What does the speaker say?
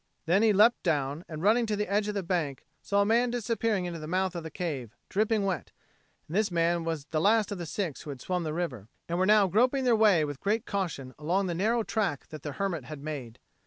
Then he leapt down, and, running to the edge of the bank, saw a man disappearing into the mouth of the cave, dripping wet; and this man was the last of the six who had swum the river, and were now groping their way with great caution along the narrow track that the hermit had made.